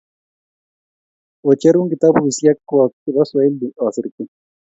Ocherin kitapusyek kwok chepo pswaili osir chu.